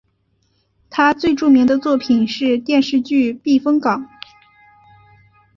他最著名的作品是电视剧避风港。